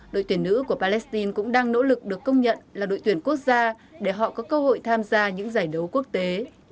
đội tuyển nữ của palestine cũng đang nỗ lực được công nhận là đội tuyển quốc gia để họ có cơ hội tham gia những giải đấu quốc tế